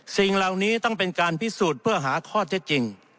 สิ่งเหล่านี้ต้องเป็นการพิสูจน์เพื่อหาข้อเท็จจริง